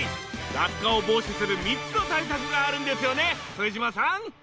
落下を防止する３つの対策があるんですよね副島さん。